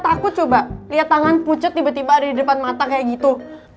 kayaknya takut coba liat tangan pucet tiba tiba ada di depan mata kayak gitu